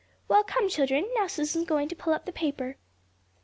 "Well, come, children, now Susan's going to pull up the paper."